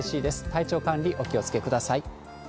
体調管理、お気をつけください。